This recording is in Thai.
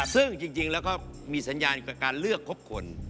ซึ่งจริงแล้วก็มีสัญญาณกับการเลือกครบคน